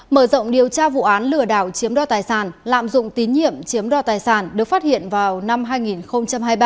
mở rộng điều tra vụ án lừa đảo chiếm đo tài sản lạm dụng tín nhiệm chiếm đo tài sản được phát hiện vào năm hai nghìn hai mươi ba